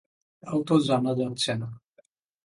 তাও তো জানা যাচ্ছে না।